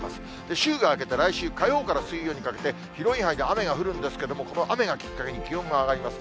週が明けて来週火曜から水曜にかけて、広い範囲で雨が降るんですけれども、この雨がきっかけに気温が上がります。